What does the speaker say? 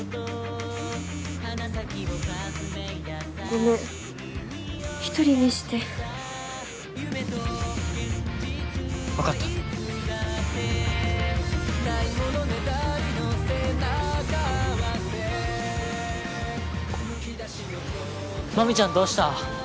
・ごめん１人にして分かった・麻美ちゃんどうした？